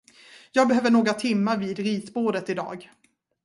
Jag behöver några timmar vid ritbordet idag.